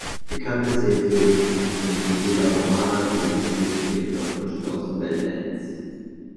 Bekannte Sehenswürdigkeiten sind die Villa Romana, die Evangelische Kirche und das Schloss Veldenz.